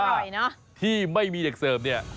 แต่ว่าที่ไม่มีเด็กเสิร์ปเนี่ย